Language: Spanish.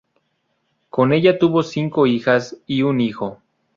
Con ella tuvo cinco hijas y un hijo.